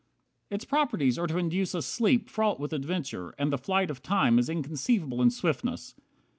53 Its properties are to induce a sleep Fraught with adventure, and the flight of time Is inconceivable in swiftness.